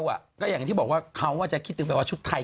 มีแบบหวังใหม่ที่บอกว่าเขาจะคิดถึงแบบชุดไทย